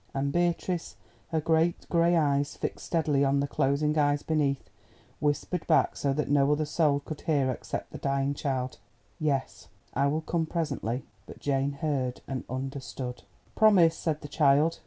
And Beatrice, her great grey eyes fixed steadily on the closing eyes beneath, whispered back so that no other soul could hear except the dying child: "Yes, I will come presently." But Jane heard and understood. "Promise," said the child.